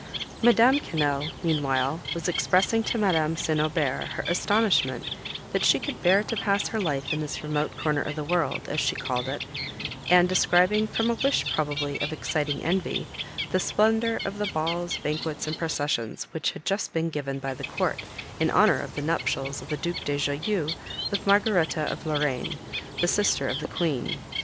Madame Quesnel, meanwhile, was expressing to Madame St. Aubert her astonishment, that she could bear to pass her life in this remote corner of the world, as she called it, and describing, from a wish, probably, of exciting envy, the splendour of the balls, banquets, and processions which had just been given by the court, in honour of the nuptials of the Duke de Joyeuse with Margaretta of Lorrain, the sister of the Queen.